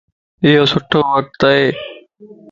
ايو سٺو وقت ائي